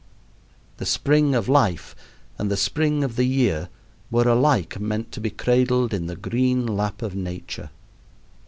The spring of life and the spring of the year were alike meant to be cradled in the green lap of nature.